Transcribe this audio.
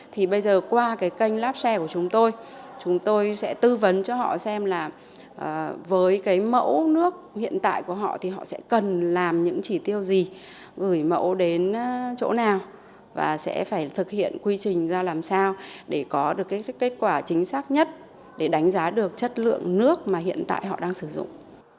thì bây giờ qua cái kênh napse của chúng tôi chúng tôi sẽ tư vấn cho họ xem là với cái mẫu nước hiện tại của họ thì họ sẽ cần làm những chỉ tiêu gì gửi mẫu đến chỗ nào và sẽ phải thực hiện quy trình ra làm sao để có được cái kết quả chính xác nhất để đánh giá được chất lượng nước mà hiện tại họ đang sử dụng